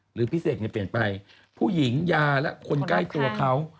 หรือพี่เสกเนี่ยเปลี่ยนไปผู้หญิงยาและคนใกล้ตัวเขา